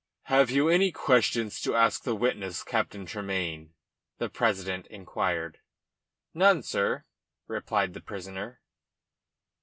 "Have you any questions to ask the witness, Captain Tremayne?" the president inquired. "None, sir," replied the prisoner.